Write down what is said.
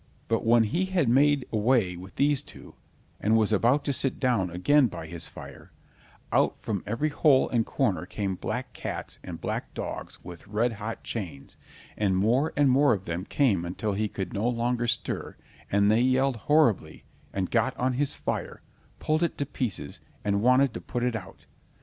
But when he had made away with these two, and was about to sit down again by his fire, out from every hole and corner came black cats and black dogs with red hot chains, and more and more of them came until he could no longer stir, and they yelled horribly, and got on his fire, pulled it to pieces, and wanted to put it out.